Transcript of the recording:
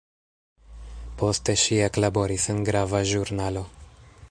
Poste ŝi eklaboris en grava ĵurnalo.